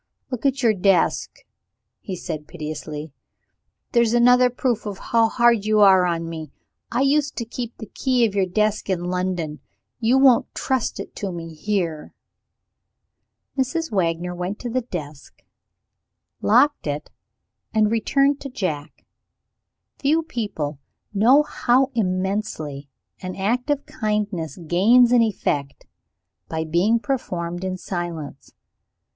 "Look at your desk," he said piteously; "there's another proof how hard you are on me. I used to keep the key of your desk in London. You won't trust it to me here." Mrs. Wagner went to the desk, locked it, and returned to Jack. Few people know how immensely an act of kindness gains in effect, by being performed in silence. Mrs.